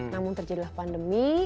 namun terjadilah pandemi